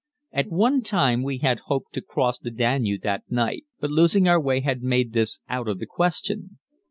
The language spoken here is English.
At one time we had hoped to cross the Danube that night, but losing our way had made this out of the question.